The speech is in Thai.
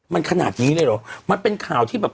มันขนาดนี้เลยเหรอมันเป็นข่าวที่แบบ